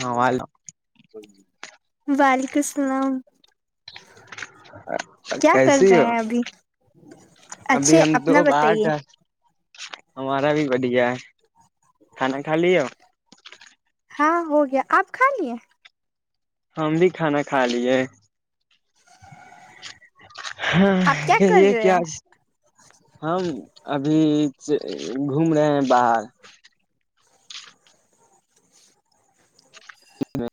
ہمار وعلیکم اللام کیا کر کیسی رہے ہو ہیں ابھی ابھی اچھے ہم اپنا دو باہر بتائیے تھا ہمارا بھی بڑھیا ہے کھانا کھا لیے ہاں ہو گیا آپ کھا لیے ہم بھی کھانا کھا لیے ہ آپ کیا کر کہے رہے ہو کیاج ہم ابھی گھوم رہے ہیں باہر ہے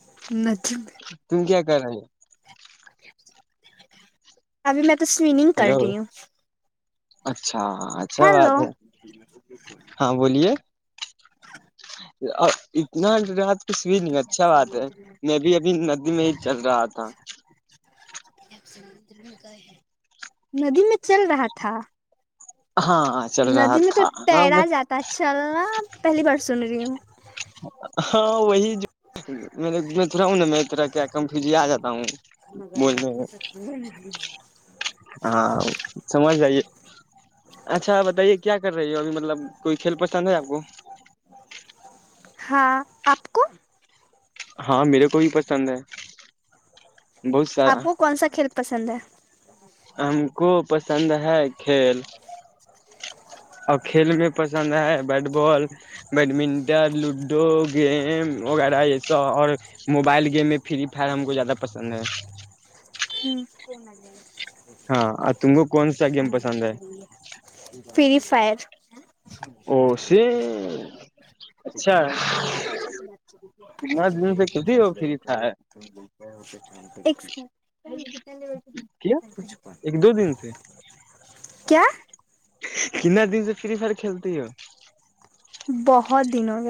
م ت کیا کرا ہے ابھی میں تو سومنگ کر ہلو رہی ہو اچھا ہاں اچھا بات ہے ہاں بولیے اتنا رات کس بھی نہیں اچھا بات ہے میں بھی ابھی ندی میں ہی چل رہا تھا ندی میں چل رہا تھا ہاںاں چل رہا ندی میں تو تھا ہاں تیرا میں جاتا ہے چلنا پہلی بار سن رہی ہوں ہاں وہیا ہوںا میںا کیا کمفیوز آ جاتا ہوں بولنے میں ہاں سمجھ آئیے اچھا بتائیے کیا کر رہی ہے اب مطلب کوئی کھیل پسند ہے آپ کو ہاں آپ کو ہاں میرے کو ہی پسند ہے بہت سارا آپ کو کون سا کھیل پسند ہے ہم کو پسند ہے کھیل اور کھیل میں پسند ہے bat ball badminton ludo game وغیرہ یہ سب اور موبائل گیم فری فائر ہم کو زیادہ پسند ہے [unintelligible] ہوں کون ہاں تم کو کون سا گیم پسند ہے فری فائر او سے اچھا کتنا دن سے کھیلتی ہو فری فائر [unintelligible] کیا ایک دو دن تھے کیا کنا دن سے فری فائر کھیلتی ہو بہت دنوں گ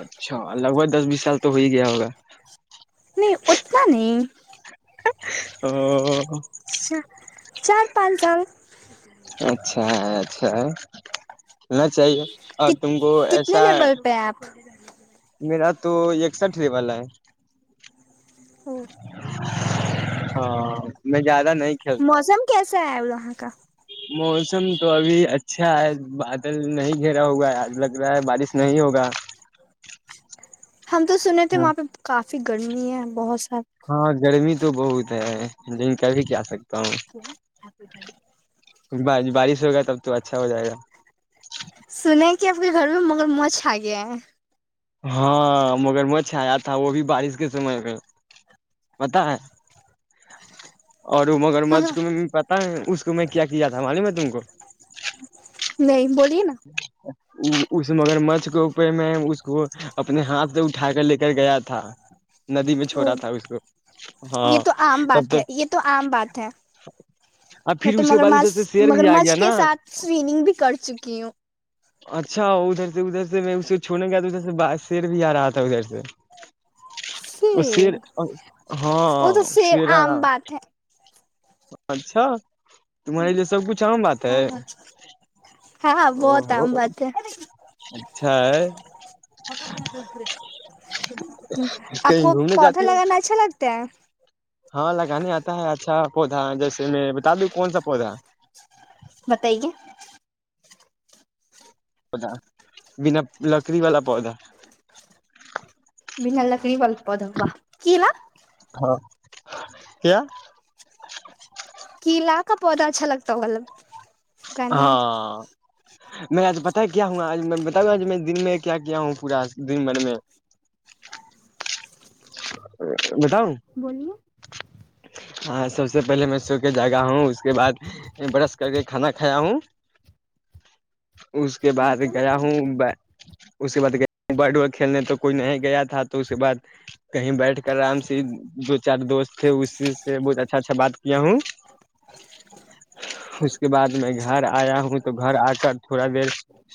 اچھا لگ بھگ دس بیس سال تو ہو ہی گیا ہوگا نہیں اتنا نہیں ا اچھا چار پانچ سال اچھا اچھا ہے نہ چاہیے اور تم کو کتنے ایسا لیول پہ ہیں آپ میرا تو ایک ساٹری والا ہے ہ ہاں میں جا موسم کیسا ہے اا [unintelligible] موسم تو ابھی اچھا ہے بادل نہیں گھیرا ہوگا ہے آج لگ رہا ہے بارش نہیں ہوگا ہم تو سنے تھے وہاں پہ کافی کافی گرمی ہے بہت سار ہاں گرمی تو بہت ہے لیکن کبھی کیا سکتا ہوں بارش ہوگا تب تو اچھا ہو جائے گا سنے کہ آپ کے گھر میں مگر موچھ آ گیا ہے ہاں مگر مچھ آیا تھا وہ بھی بارش کے سمے پ بتا ہے اور مگر م ہے کو پتاہ ہے اس کو میں کیا کیا تھا ہمی میں تم کو نہیں بول جچ اس مگر مچھ کے اوپے میں اس کو اپنے ہاتھ سے اٹھا کر لے کر گیا تھا ندی میں او چھوڑا تھا اس کو ہاں یہ تو عام بات ہے یہ تو عام بات ہے اب میں پھر تو اس کے بعد مگرمچ ادھر سے شیر بھی آ گیا مگرمچھ کے نا ساتھ سویننگ بھی کر چکی ہوں اچھا ادھر سے ادھر سے میں اسے چونے گیا تھا ادھر سے ب شیر بھی آ رہا تھا ادھر سے اور س پھر ہاں وہ تو سیر شیرانا عام بات ہے اچھا تمہارے لی سب کچھ عام بات ہے ہاں ہاں ا بہت عام بات ہے ہےھ آپ کہیں کو گھومنے پودا جاتی ہو لگانا اچھا لگتا ہے ہاں لگانے آتا ہے اچھا پودا جیسے میں بتا دوں کون سا پودا مت یہیک پ بنا لکڑی والا پودا بھینا لکڑی بلپ دبا کی نا ہاں کیا تول ہاں میں آج پتا کیا ہوں آج میں بتاج میں دن میں کیا کیا ہوں پورا دن بھر میں [inaudible] بتاؤ بولیے ہاں سب سے پہلے میں سو کے جاگا ہوں اس کے بعد برش کر کے کھانا کھایا ہوں اس کے بعد ناشتہ نہیں گیا کرتی ہوں ہیں اس کے بع بیٹ بال کھیلنے تو کوئی نہیں گیا تھا تو اس کے بعد کہیں بیٹھ کر آرام سے جو چار دوست تھے اس سے بہت اچھا اچھا بات کیا ہوں اس کے بعد میں گھر آیا ہوں تو گھر آ کر تھوڑا دیر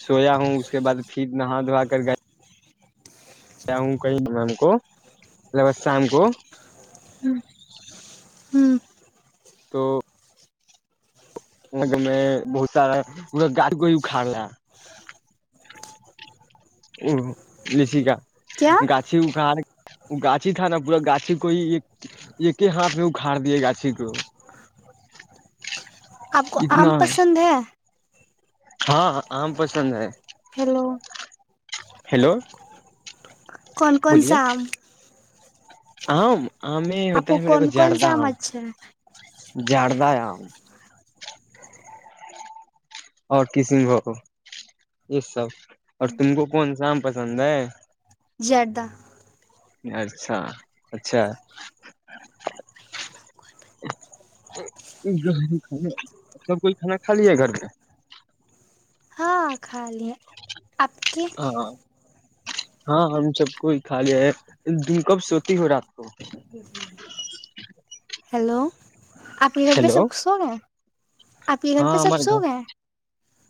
سویا ہوں اس کے بعد پھر نہا دھوا کر گئے جؤوںئی ہم کو لوسہ ہم کو ہوں تو نگر میں بہت سارا پورا گڑی گ اکھاڑ رہا لچ کا کیا گاھی گاچھی تھا نا پورا گاچھی کو ہی ایک ایک ہی ہاتھ میں اکھاڑ دییا گاچھی کو آپ کو آم اتنا پسند ہے ہاں آم پسند ہے ہیلو ہیلو کون کون سام ہؤ آپ کو کون کون سمجھ جڑد ہے اور کسینھگ یہ سب اور تم کو کون شام پسند ہے جردہ اچھا اچھا سب کوھ کھانا کھا ہے گھر میں ہاں خال لی ہے آپ کی ہاں ہاں ہم سب کو ہی کھا لیا ہے تم کب سوتی ہو رات کو ہیلو آپ کے گھر پہ سب کس ہو گئے آپ کے گھر ہاں پہ سب ہمارے گھر سوگ ہے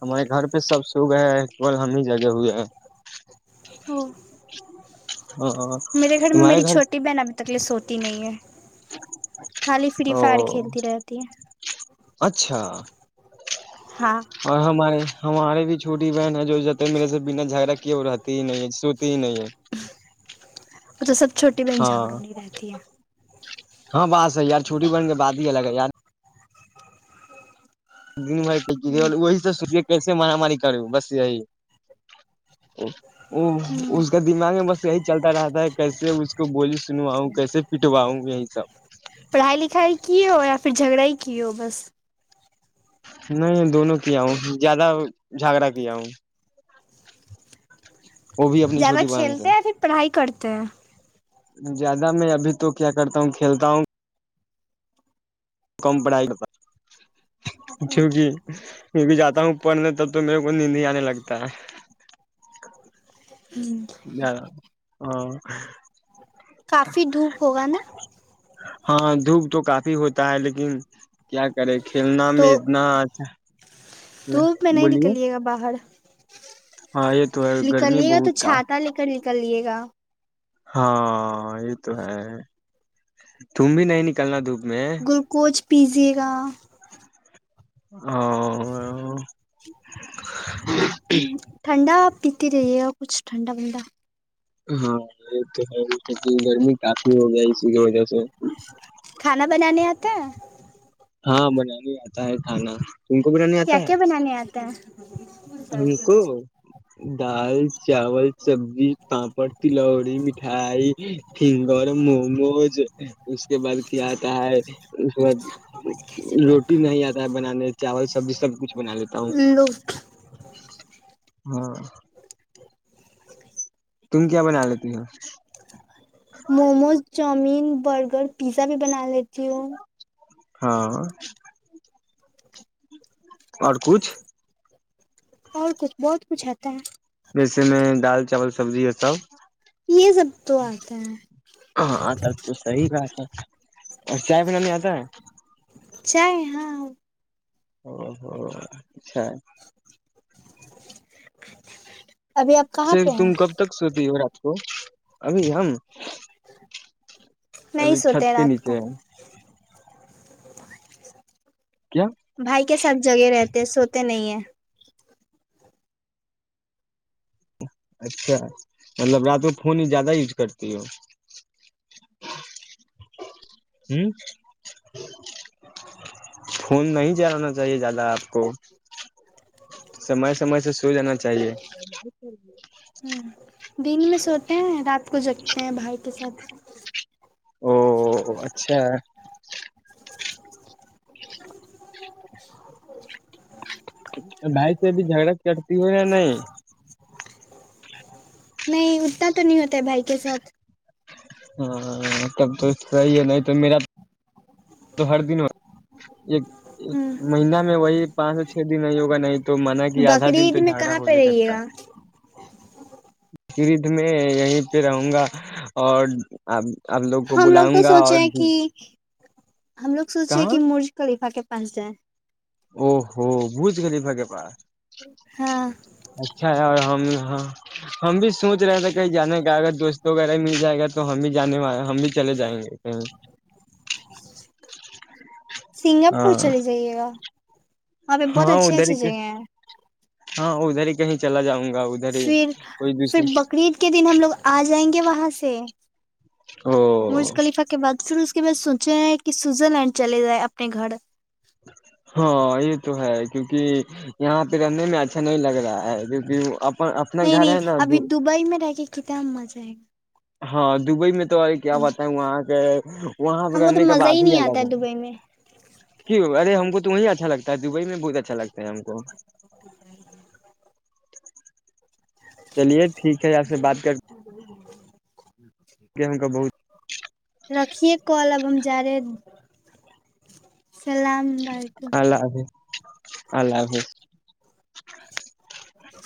ہمارے گھر پہ سب سو گئے ہے کیول ہم ہی جگہ ہوئے ہیں ہاں میرے گھر میں تمہارے میری گھر چھوٹی بہن ابھی تکلی سوتی نہیں ہے خالی فری او فائر کھیلتی رہتی ہے اچھا ہاں اور ہم ہماری ہمارے بھی چھوٹی بہن ہے جو جتے میرے سے بنا جھگڑا کیے وہ رہتی ہی نہیں ہے سوتی ہی نہیں ہے ا تو سب چھوٹی بہن ہاں جھگڑوںنی رہتی ہے ہاں بس ہےی یار چھوٹی بن کے بات ہی الگ ہے یار د م ہوں وہی س سوے کیسے ماراماری کرے ہو بس ا [inaudible] وہ ہوں اس کا دماغ میں بس یہی چلتا رہتا ہے کیسے تو بول سنواؤں کیسے پٹواؤں یہی سب پڑھائی لکھائی کی ہو یا پھر جھگڑا ہی کی رکیو بس نہیں دونوں کیا ہوں زیادہ جھگڑا کیا ہوں وہ بھی اپنی زیادہ چھوٹی بہن سے کھیلتے ہیںیا پھر پڑھائی کرتے تو زیادہ میں ابھی تو کیا کرتا ہوں کھیلتا ہوں کم پڑھائی کا کیونکہ میں بھی جاتا ہوں پڑھنے تب تو میرے کو نیند ہی آنے لگتا ہے ہوں جیا ہاں کافی دھوپ ہوگا نا ہاں دھوپ تو کافی ہوتا ہے لیکن کیا کرے گا کھیلنا تو میں اتنا اچھا دھوپ میں نہیں بولیے نکلیے گا باہر ہاں یہ تو ہے گرمی نکلیے گا تو بہت کا چھاتا لے کر نکلیے گا ہاں یہ تو ہے تم بھی نہیں نکلنا دب گلکوچ پیزے [inaudible] اور ہ ٹھنڈا پیتے رہیے گ کچھ ٹھنڈا بنندا ہاں یہ تو گرمی کاپی ہو جائے س کی وجہ سے کھانا بنانے آتا ہے ہاں بن ہی آتا ہے کھانا تم کو کیا کیا بنانے آتا ہے ان کو دال چاول سبزی پاپڑ تلوڑی مٹھائی فنگر موموز اس کے بعد کیا آتا ہے اس کے بعد روٹی نہیں آتا ہے بنانے چاول سبزی سب کچھ بنا لیتا ہوں ہے لو ہاں تم کیا بنا لیتی ہو موموز چاؤمین برگر پیزا بھی بنا لیتی ہوں ہاں اور کچھ اور کچھ بہت کچھ آتا ہے جیسے میں دال چاول سبزی یہ سب یہ سب تو آتا ہے ہاں تب تو سی بات ہے اور چائے بنانے آتا ہے چائے ہاں ا ہو اچھا ابھی آپ س کہاں پہ تم ہیں کب تک سوتی ہو کو ابھی ہم نہیں ابھی سوتے چھت کے رات کو نیچے ہے کیا بھائی کے ساتھ جگہ رہتے ہیں سوتے نہیں ہیں اچھا مطلب رات کو فون ہی زیادہ یوز کرتی ہو ہ خون نہیں جلانا چاہیے زیادہ آپ کو سمے سمے سے سو جانا چاہیے ہوں دن میں سوتے ہیں رات کو جگتے ہیں باہر کے ساتھ او اچھا بھائی سے ابھی جھگڑک کرٹتی ہو یا نہیں نہیں اتنا تو نہیں ہوتا ہے بھائی کے ساتھ ہاں تب تو صحیح ہے نہیں تو میرا تو ہر دن ایک ہوں مہینہ میں وہی پانچ سے چھ دن نہیں ہوگا نہیں تو من کہ آدھا دن تو بقرعید میں جھگڑا کہاں ہوگ پہ رہیے کرتا گا ہے پ تو میں یہیں پہ رہوں گا اور ا ہم لوگ تو سوچے ہیں کہ ہم لگ سوچے کہ کہاں مرج خلیفہ کے پانچزار او ہوو بوچ گلی بگے پا ہاں اور ہم ہاں ہم بھی سوچ رہے تھے کہیں جانے کا اگر دوستوں وغیرہ مل جائے گا تو ہم بھی جانے وال ہم بھی چلے جائیں گے کہیں سنگاپور چل جائیے گا وہاں پہ بہت ہاں اچھی ادھر اچھی ہی جگہ ہیں ہاں ادھر ہی کہیں چلا جاؤں گی پھر پھر بقرعید کے دن ہم لوگ آ جائیں گے وہاں سے او مرز خلیفہ کے بعد پرو کے بس سوچے ہیں کہ سوئزر لینڈ چل جائے اپنے گھر ہاں یہ تو ہے کیونکہ یہاں پہ رہنے میں اچھا نہیں لگ رہا ہے کیونکہ اب نہیں نہیں ابھی دبئی میں رہ کے کت مجے ایک ہاں دبئی میں تو کیا بت وہاں کے وہاں پہ ہم کو تو رہنے کے مزہ بعد ہی نہیں الگ آتا ہے دبئی میں کی ارے ہم کو تمیں اچھا لتا ہے دبئی میں بہت اچھا لگتا ہے ہم کو چلیے ٹھیک ہے آپ سے بات کر گم کا بہت رکھیے کال اب ہم جا رہے سلام الئییک اللہ حافظ اللہ حافظ ج [inaudible]